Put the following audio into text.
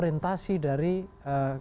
sebenarnya kegiatan kita agendal ya